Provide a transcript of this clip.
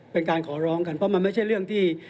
เป็นการขอร้องกันเพราะมันไม่ใช่เรื่องที่